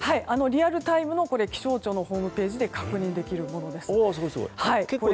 リアルタイムの気象庁のホームページで確認できるものです。